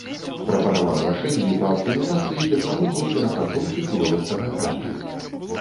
Прапанаваў рашэнні па аптымізацыі тэхналогіі перапрацоўкі хлорыстага калію.